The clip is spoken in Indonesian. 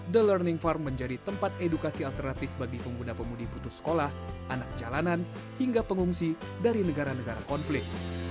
the learning farm menjadi tempat edukasi alternatif bagi pengguna pemudi putus sekolah anak jalanan hingga pengungsi dari negara negara konflik